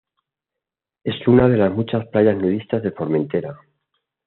Es una de las muchas playas nudistas de Formentera.